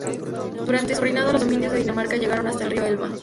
Durante su reinado, los dominios de Dinamarca llegaron hasta el río Elba.